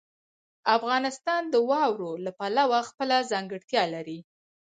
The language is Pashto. افغانستان د واورو له پلوه خپله ځانګړتیا لري.